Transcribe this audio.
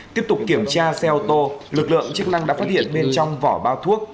tiếp tục kiểm tra xe ô tô lực lượng chức năng đã phát hiện bên trong vỏ bao thuốc